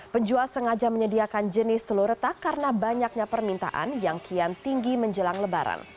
penjual sengaja menyediakan jenis telur retak karena banyaknya permintaan yang kian tinggi menjelang lebaran